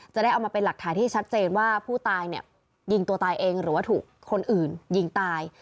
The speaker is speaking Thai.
จะได้เอามาเป็นหลักฐานที่ชัดเจนว่าผู้ตายเนี่ยยิงตัวตายเองหรือว่าถูกคนอื่นยิงตาย